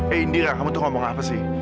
eh indira kamu tuh ngomong apa sih